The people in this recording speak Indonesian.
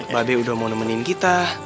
babe udah mau nemenin kita